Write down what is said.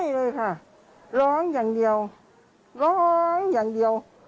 เลยค่ะร้องอย่างเดียวร้องอย่างเดียว